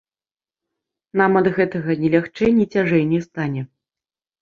Нам ад гэтага ні лягчэй, ні цяжэй не стане.